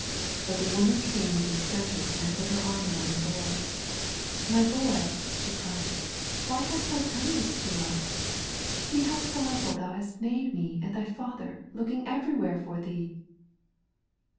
But the woman came into the centre and put her arm around the Boy. "My boy," she cried, "why hast thou done this to us? See how sorrowful thou hast made me and thy father, looking everywhere for thee.'